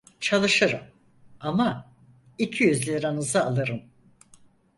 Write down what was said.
Çalışırım, ama iki yüz liranızı alırım.